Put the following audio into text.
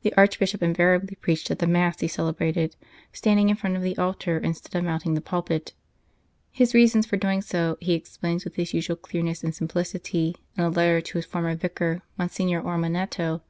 The Archbishop invariably preached at the Mass he celebrated, standing in front of the altar instead of mounting the pulpit. His reasons for doing so he explains with his usual clearness and simplicity in a letter to his former vicar, Mon signor Ormanetto.